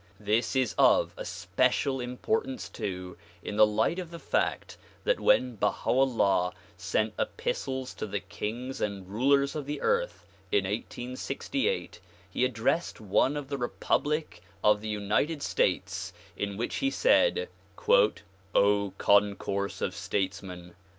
This is of especial importance too in the light of the fact that when Baha 'Ullah sent epistles to the kings and rulers of the earth in 1868 he addressed one to the republic of the United States in which he said "0 concourse of statesmen!